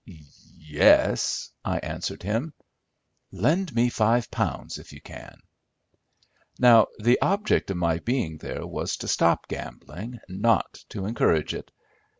"Yes," I answered him. "Lend me five pounds if you can." Now, the object of my being there was to stop gambling, not to encourage it.